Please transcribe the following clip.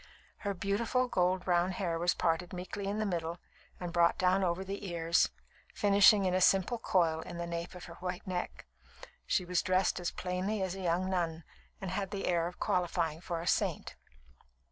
Her beautiful, gold brown hair was parted meekly in the middle and brought down over the ears, finishing with a simple coil in the nape of her white neck. She was dressed as plainly as a young nun, and had the air of qualifying for a saint.